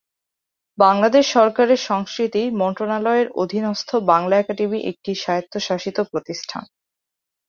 বাংলাদেশ সরকারের সংস্কৃতি মন্ত্রণালয়ের অধীনস্থ বাংলা একাডেমি একটি স্বায়ত্তশাসিত প্রতিষ্ঠান।